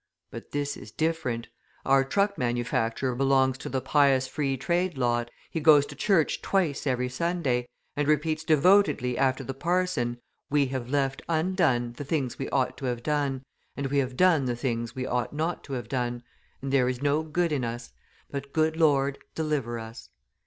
But this is different. Our truck manufacturer belongs to the pious Free Trade lot; he goes to church twice every Sunday, and repeats devotedly after the parson: 'We have left undone the things we ought to have done, and we have done the things we ought not to have done, and there is no good in us; but, good Lord, deliver us.'